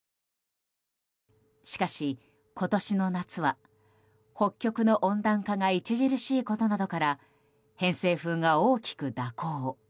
しかし今年の夏は北極の温暖化が著しいことなどから偏西風が大きく蛇行。